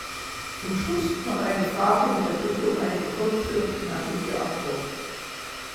Zum Schluss noch eine Frage mit der Bitte um eine kurze und knackige Antwort.